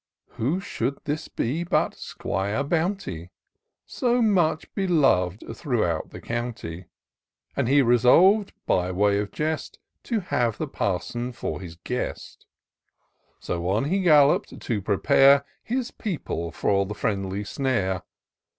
Who should this be but 'Squire Bounty y So much belov'd throughout the county. And he resolv'd, by way of jest, To have the Parson for his guest ; So on he gallop'd to prepare His people for the friendly snare.